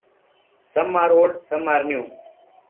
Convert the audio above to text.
Some are old, some are new.